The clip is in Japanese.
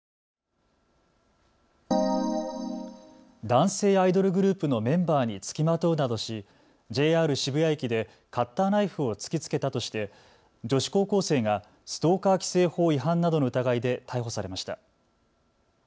男性アイドルグループのメンバーに付きまとうなどしＪＲ渋谷駅でカッターナイフを突きつけたとして女子高校生がストーカー規制法違反などの疑いで逮捕されました。